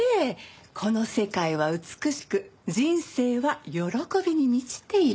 「この世界は美しく人生は喜びに満ちている」。